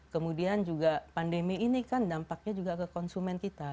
kemudian juga pandemi ini kan dampaknya juga ke konsumen kita